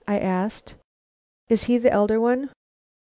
I asked. "Is he the elder one?"